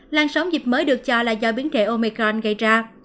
làn sóng dịp mới được cho là do biến thể omicron gây ra